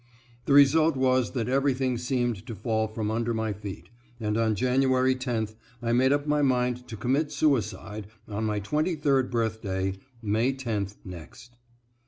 The result was that everything seemed to fall from under my feet, and on January 10th, I made up my mind to commit suicide on my twenty third birthday, May 10th, next.